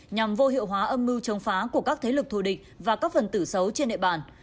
nhằm vô hiệu hóa âm mưu chống phá của các thế lực thù địch và các phần tử xấu trên địa bàn